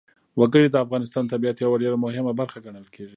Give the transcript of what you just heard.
وګړي د افغانستان د طبیعت یوه ډېره مهمه برخه ګڼل کېږي.